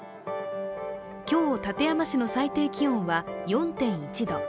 今日、館山市の最低気温は４．１度。